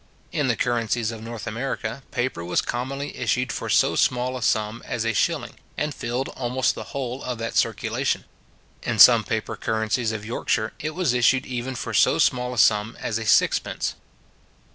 In the currencies of North America, paper was commonly issued for so small a sum as a shilling, and filled almost the whole of that circulation. In some paper currencies of Yorkshire, it was issued even for so small a sum as a sixpence.